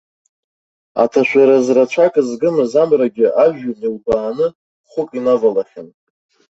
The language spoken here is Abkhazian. Аҭашәараз рацәак згымыз амрагьы ажәҩан илбааны хәык инавалахьан.